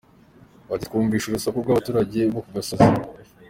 Bati “Twumvise urusaku rw’abaturage bo ku gasozi.